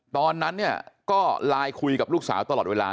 ตอนนั้นเนี่ยก็ไลน์คุยกับลูกสาวตลอดเวลา